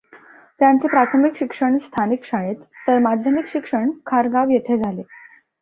त्यांचे प्राथमिक शिक्षण स्थानिक शाळेत, तर माध्यमिक शिक्षण खारगाव येथे झाले.